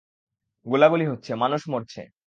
গোলাগুলি হচ্ছে, মানুষ মরছে।